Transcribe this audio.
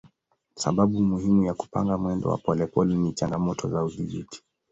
Sababu muhimu ya kupanga mwendo wa polepole ni changamoto za udhibiti.